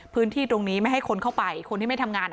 พื้นที่ตรงนี้ไม่ให้คนเข้าไปคนที่ไม่ทำงาน